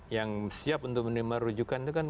yang siap untuk menerima rujukan itu kan